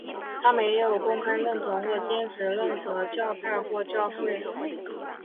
他没有公开认同或坚持任何教派或教会。